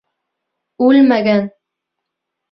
Үлмәгән!